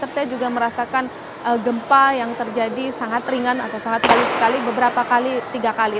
saya juga merasakan gempa yang terjadi sangat ringan atau sangat bagus sekali beberapa kali tiga kali